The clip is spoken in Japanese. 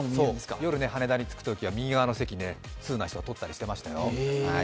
夜、羽田に着くときは右側の席をとったりしてましたよ。